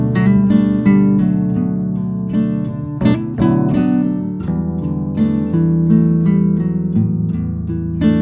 mau istirahat dulu